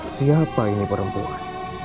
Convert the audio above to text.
siapa ini perempuan